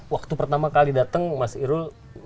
waktu pertama kali datang mas irul